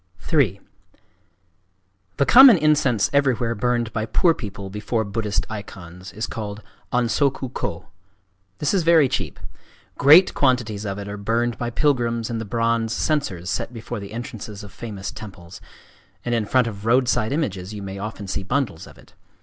III The common incense everywhere burned by poor people before Buddhist icons is called an soku kō. This is very cheap. Great quantities of it are burned by pilgrims in the bronze censers set before the entrances of famous temples; and in front of roadside images you may often see bundles of it.